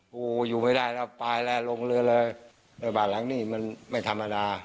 กูอยู่ไม่ได้แล้วไปแล้วลงเรือเลยไอ้บ้านหลังนี้มันไม่ธรรมดา